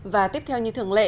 và tiếp theo như thường lệ